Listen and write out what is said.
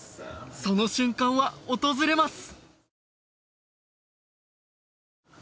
その瞬間は訪れます